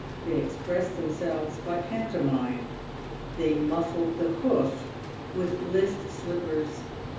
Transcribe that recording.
They expressed themselves by pantomime. They " muffled the hoof" with list slippers.